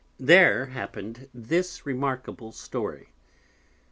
There happen'd this remarkable Story.